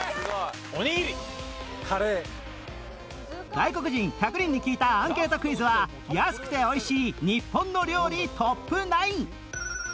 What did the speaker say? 外国人１００人に聞いたアンケートクイズは安くて美味しい日本の料理トップ９